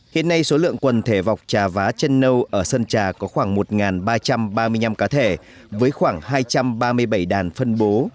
hiện nay số lượng quần thể vọc trà vá chân nâu ở sơn trà có khoảng một ba trăm ba mươi năm cá thể với khoảng hai trăm ba mươi bảy đàn phân bố